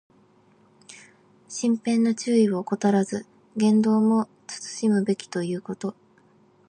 身辺の注意を怠らず、言動も慎むべきだということ。